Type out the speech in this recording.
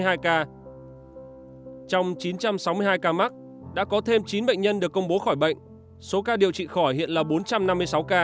trong chín trăm sáu mươi hai ca mắc đã có thêm chín bệnh nhân được công bố khỏi bệnh số ca điều trị khỏi hiện là bốn trăm năm mươi sáu ca